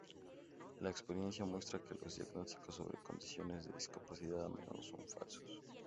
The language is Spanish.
La experiencia muestra que los diagnósticos sobre condiciones de discapacidad a menudo son falsos.